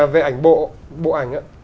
về ảnh bộ bộ ảnh